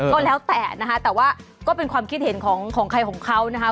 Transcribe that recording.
ก็แล้วแต่นะคะแต่ว่าก็เป็นความคิดเห็นของใครของเขานะคะ